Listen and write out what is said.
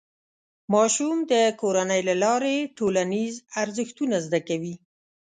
ماشوم د کورنۍ له لارې ټولنیز ارزښتونه زده کوي.